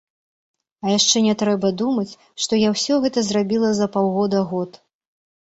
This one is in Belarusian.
А яшчэ не трэба думаць, што я ўсё гэта зрабіла за паўгода-год.